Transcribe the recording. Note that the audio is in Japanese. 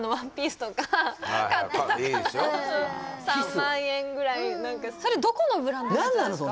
３万円ぐらい何かそれどこのブランドですか？